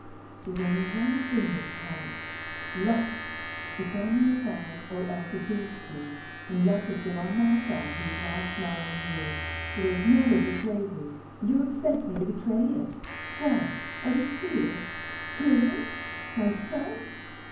There's only one thing that counts: luck. It's on your side or else against you. And luck has been on my side these last nine years. It has never betrayed me; and you expect me to betray it? Why? Out of fear? Prison? My son?